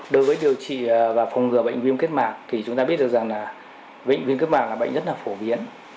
đối với điều trị và phòng ngừa bệnh viêm kết mạc thì chúng ta biết được rằng là bệnh viêm cấp mạc là bệnh rất là phổ biến